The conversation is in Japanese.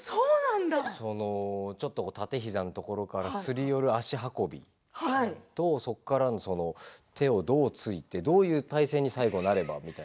ちょっと立て膝のところからすりよる足運び、そこから手をどうついてどういう体勢になるかとか。